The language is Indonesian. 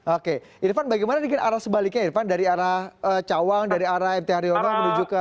oke irfan bagaimana dengan arah sebaliknya irfan dari arah cawang dari arah mt haryono menuju ke